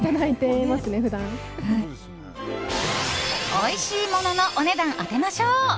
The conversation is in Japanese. おいしいもののお値段当てましょう！